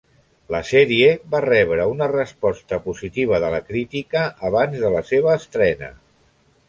La sèrie va rebre una resposta positiva de la crítica abans de la seva estrena.